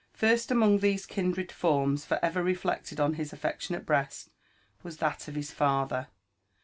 First dmong these kindred forms for ever reflected on his afiectionate breast, was that of his father.